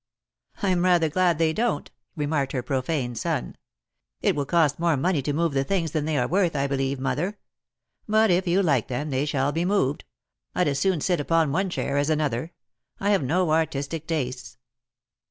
"I'm rather glad they don't," remarked her profane son. "It will cost more money to move the things than they are worth, I believe, mother ; but if you like them, they shall be moved. I'd as soon sit upon one chair as another. I have no artisti Tj tastes."